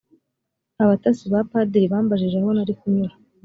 abatasi ba padiri bambajije aho nari kunyura